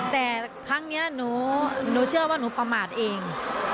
แต่ครั้งนี้หนูเชื่อว่าหนูประมาทเอง